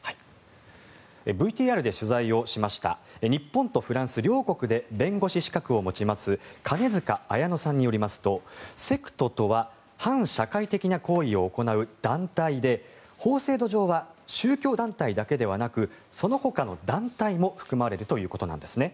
ＶＴＲで取材をしました日本とフランス両国で弁護士資格を持ちます金塚彩乃さんによりますとセクトとは反社会的な行為を行う団体で法制度上は宗教団体だけではなくその他の団体も含まれるということなんですね。